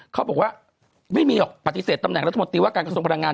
เขาบอกว่าไม่มีหรอกปฏิเสธตำแหนรัฐมนตรีว่าการกระทรงพลังงาน